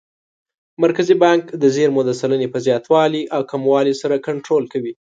مرکزي بانک د زېرمو د سلنې په زیاتوالي او کموالي سره کنټرول کوي.